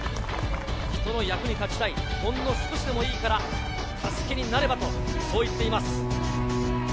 人の役に立ちたい、ほんの少しでもいいから助けになればと、そう言っています。